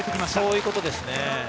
そういうことですね。